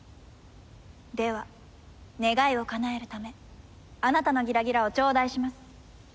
では願いをかなえるためあなたのギラギラをちょうだいします。